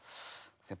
先輩